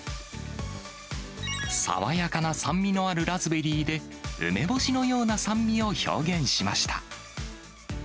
爽やかな酸味のあるラズベリーで、梅干しのような酸味を表現しました。